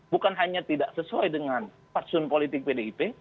bukan hanya tidak sesuai dengan fatsun politik pdip